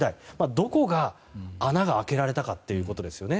どこが穴が開けられたかということですよね。